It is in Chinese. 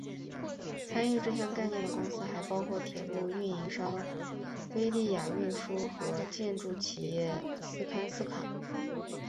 参与这项概念的公司还包括铁路运营商威立雅运输和建筑企业斯堪斯卡。